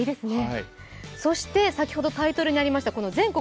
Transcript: そして先ほどタイトルにありました「全国！